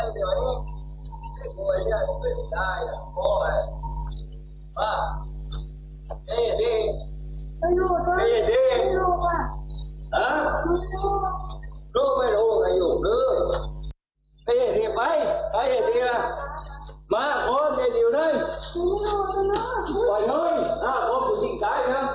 พี่เจ้า